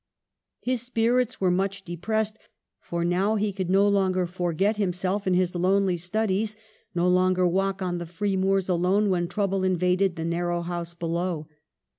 His spirits were much depressed ; for now he could no longer forget himself in his lonely stud ies, no longer walk on the free moors alone when trouble invaded the narrow house below.